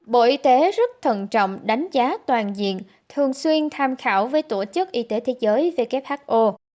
bộ y tế rất thận trọng đánh giá toàn diện thường xuyên tham khảo với tổ chức y tế thế giới who